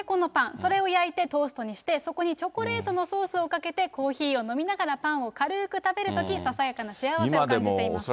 それを焼いてトーストにして、そこにチョコレートのソースをかけてコーヒーを飲みながら、パンを軽ーく食べるとき、ささやかな幸せを感じていますと。